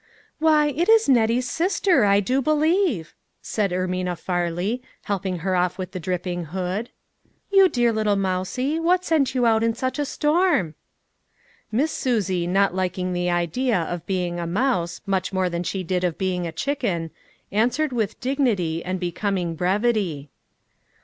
" Why, it is Nettie's sister, I do believe !" said Ermina Farley, helping her off with the dripping hood. " You dear little mouse, what sent you out in such a storm ?" Miss Susie not liking the idea of being a mouse much more than she did being a chicken, answered with dignity, and becoming brevity.